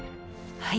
はい！